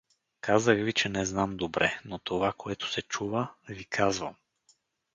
— Казах ви, че не знам добре; но това, което се чува, ви казвам.